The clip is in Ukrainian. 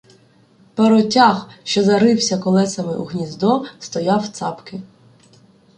Паротяг, що зарився колесами у "гніздо", стояв цапки.